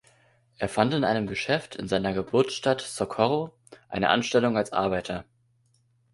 Er fand in einem Geschäft in seiner Geburtsstadt Socorro eine Anstellung als Arbeiter.